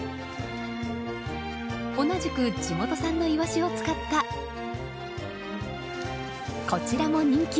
同じく地元産のイワシを使ったこちらも人気！